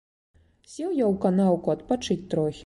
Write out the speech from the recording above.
Сеў я ў канаўку адпачыць трохі.